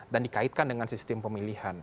dan dikaitkan dengan sistem pemilihan